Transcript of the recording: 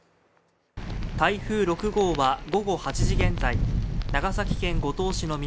台風６号は午後８時現在長崎県五島市の南